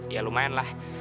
ya lumayan lah